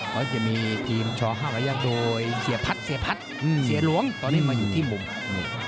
เขาจะมีทีมช๕พยักษ์โดยเสียพัฒน์เสียพัฒน์เสียหลวงตอนนี้มาอยู่ที่มุมนี่